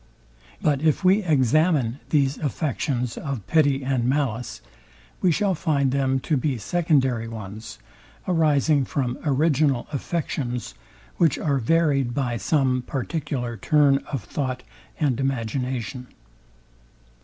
But if we examine these affections of pity and malice we shall find them to be secondary ones, arising from original affections, which are varied by some particular turn of thought and imagination.